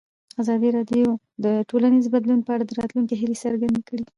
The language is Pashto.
ازادي راډیو د ټولنیز بدلون په اړه د راتلونکي هیلې څرګندې کړې.